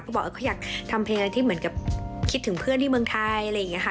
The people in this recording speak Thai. ก็บอกเขาอยากทำเพลงอะไรที่เหมือนกับคิดถึงเพื่อนที่เมืองไทยอะไรอย่างนี้ค่ะ